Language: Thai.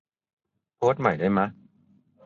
โพสต์ใหม่ได้มะ